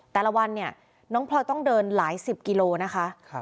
แต่ละวันเนี่ยน้องพลอยต้องเดินหลายสิบกิโลนะคะ